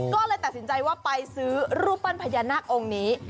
ก็เลยตัดสินใจว่าไปซื้อรูปปั้นพญานาคองค์นี้